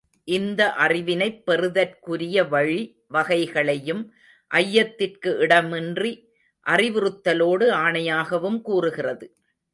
இந்த அறிவினைப் பெறுதற்குரிய வழி வகைகளையும் ஐயத்திற்கு இடமின்றி அறிவுறுத்தலோடு ஆணையாகவும் கூறுகிறது.